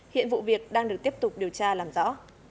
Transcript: hiện vụ việc đang được tiếp tục điều tra làm rõ